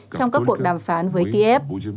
trong các cuộc đàm phán với kiev